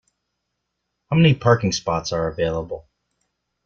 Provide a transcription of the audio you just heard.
How many parking spots are available?